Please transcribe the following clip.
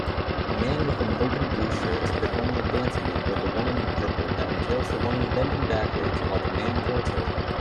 A man with an open blue shirt is performing a dance move with a woman in purple that entails the woman bending backwards while the man holds her